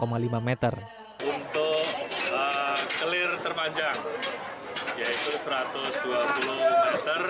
clear terpanjang yaitu satu ratus dua puluh m